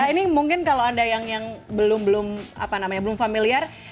ini mungkin kalau anda yang belum familiar